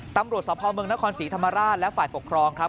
ตำรวจสภเมืองนครศรีธรรมราชและฝ่ายปกครองครับ